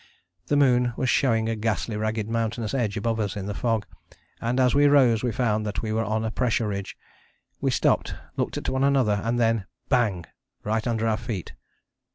The moon was showing a ghastly ragged mountainous edge above us in the fog, and as we rose we found that we were on a pressure ridge. We stopped, looked at one another, and then bang right under our feet.